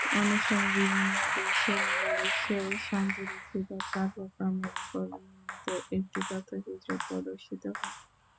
অনুষ্ঠানে বিভিন্ন দেশে বাংলাদেশের শান্তিরক্ষীদের কার্যক্রমের ওপর নির্মিত একটি তথ্যচিত্র প্রদর্শিত হয়।